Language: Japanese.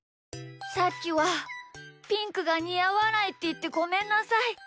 さっきはピンクがにあわないっていってごめんなさい。